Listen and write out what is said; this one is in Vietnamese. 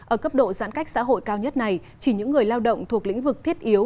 ở cấp độ giãn cách xã hội cao nhất này chỉ những người lao động thuộc lĩnh vực thiết yếu